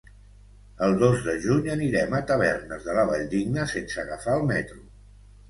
El dos de juny anirem a Tavernes de la Valldigna sense agafar el metro.